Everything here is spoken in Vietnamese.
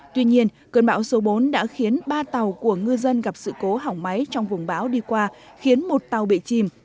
tuy nhiên cơn bão số bốn đã khiến ba tàu của ngư dân gặp sự cố hỏng máy trong vùng bão đi qua khiến một tàu bị chìm